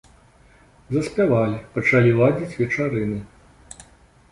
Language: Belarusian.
Заспявалі, пачалі ладзіць вечарыны.